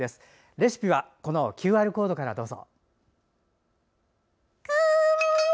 レシピはＱＲコードからどうぞ。